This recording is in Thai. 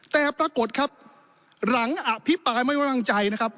แต่ปรากฏครับหลังอภิปรายไม่ไว้วางใจนะครับ